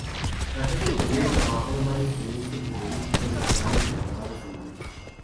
Tras este periodo trabajó en varios proyectos periodísticos nacionales elaborados en Madrid.